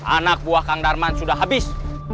anak buah kang darman sudah habis